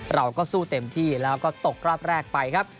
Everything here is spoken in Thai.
เราก็สู้เต็มที่แล้วก็ตกรอบแรกไปครับ